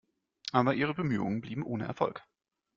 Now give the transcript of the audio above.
Aber ihre Bemühungen blieben ohne Erfolg.